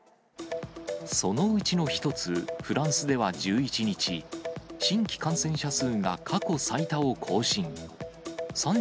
そのうちの一つ、フランスでは１１日、新規感染者数が過去最多を更新。